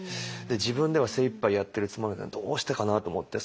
自分では精いっぱいやってるつもりなのにどうしてかなと思って。